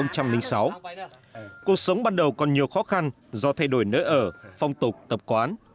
cuộc sống ban đầu còn nhiều khó khăn do thay đổi nơi ở phong tục tập quán